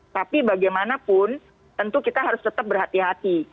tapi bagaimanapun tentu kita harus tetap berhati hati